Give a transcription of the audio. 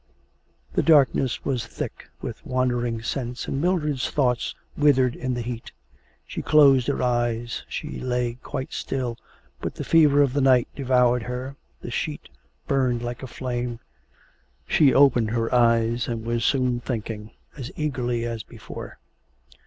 The darkness was thick with wandering scents, and Mildred's thoughts withered in the heat. She closed her eyes; she lay quite still, but the fever of the night devoured her; the sheet burned like a flame; she opened her eyes, and was soon thinking as eagerly as before.